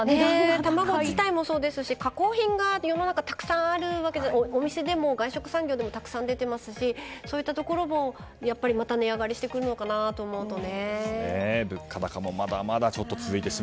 卵自体もそうですし加工品が、世の中、お店でも外食産業でもたくさん出ていますしそういったところもまた値上がりしてくるのかなと思うとね。